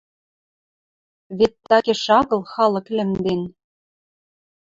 Вет такеш агыл халык лӹмден: